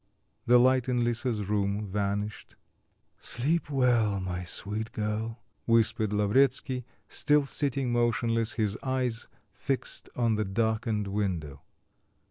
The light in Lisa's room vanished. "Sleep well, my sweet girl," whispered Lavretsky, still sitting motionless, his eyes fixed on the darkened window.